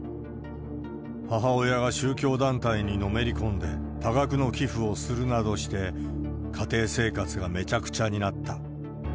母親が宗教団体にのめり込んで、多額の寄付をするなどして、家庭生活がめちゃくちゃになった。